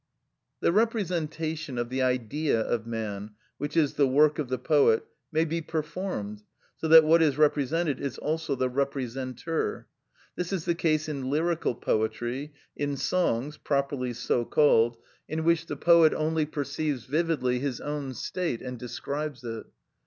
(60) The representation of the Idea of man, which is the work of the poet, may be performed, so that what is represented is also the representer. This is the case in lyrical poetry, in songs, properly so called, in which the poet only perceives vividly his own state and describes it.